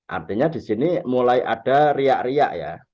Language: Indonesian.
artinya di sini mulai ada riak riak ya